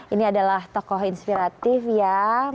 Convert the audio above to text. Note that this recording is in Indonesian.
ini adalah tokoh inspiratif ya